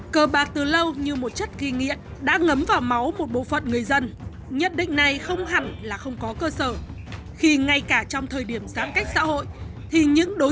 cờ bạc từ lâu